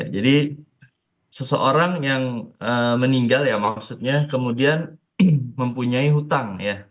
jadi seseorang yang meninggal ya maksudnya kemudian mempunyai hutang ya